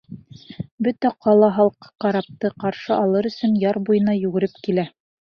Бөтә ҡала халҡы карапты ҡаршы алыр өсөн яр буйына йүгереп килә.